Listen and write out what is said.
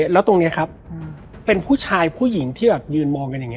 แล้วตรงนี้ครับเป็นผู้ชายผู้หญิงที่แบบยืนมองกันอย่างนี้